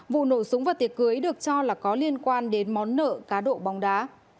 vụ nổ súng vào tiệc cưới được cho là có liên quan đến món nợ cá độ bóng đá